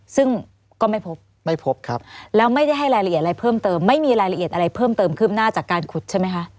ซึ่งก็ไม่พบไม่พบครับแล้วไม่ได้ให้รายละเอียดอะไรเพิ่มเติมไม่มีรายละเอียดอะไรเพิ่มเติมขึ้นหน้าจากการขุดใช่ไหมคะ